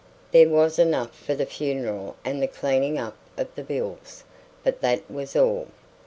There was enough for the funeral and the cleaning up of the bills; but that was all.